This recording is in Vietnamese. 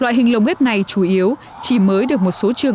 loại hình lồng ghép này chủ yếu chỉ mới được một số trường